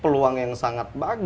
sekarang biasa sampai normal